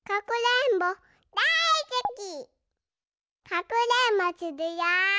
かくれんぼするよ。